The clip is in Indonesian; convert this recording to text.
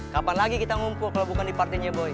kapan lagi kita ngumpul kalau bukan di partainya boy